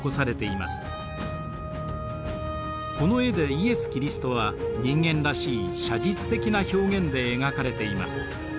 この絵でイエス・キリストは人間らしい写実的な表現で描かれています。